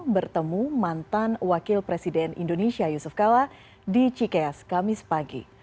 bertemu mantan wakil presiden indonesia yusuf kala di cikeas kamis pagi